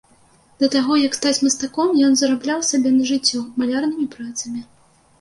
Да таго, як стаць мастаком, ён зарабляў сабе на жыццё малярнымі працамі.